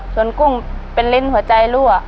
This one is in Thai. ส่วนกุ้งเป็นลิ้นหัวใจรั่ว